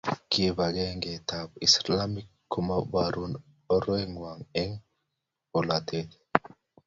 Kibagengeitab Islamek ko maiboru oreng'wang' eng' bolatet